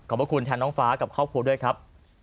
ขอบคุณแทนน้องฟ้ากับครอบครัวด้วยครับ